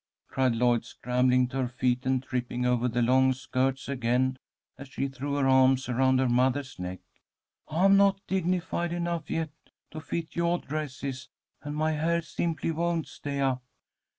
cried Lloyd, scrambling to her feet and tripping over the long skirts again as she threw her arms around her mother's neck. "I'm not dignified enough yet to fit yoah dresses, and my hair simply won't stay up.